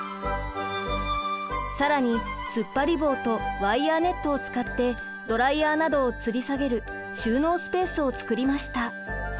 更に突っ張り棒とワイヤーネットを使ってドライヤーなどをつり下げる収納スペースを作りました。